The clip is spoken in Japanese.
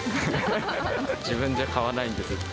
自分じゃ買わないんで、絶対。